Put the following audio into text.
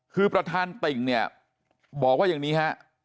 คือประธานติ่งเนี่ยบอกว่าอย่างนี้ฮะ